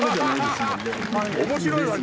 面白いわね